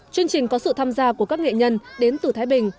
chương trình có sự tham gia của các nghệ nhân đến từ thái bình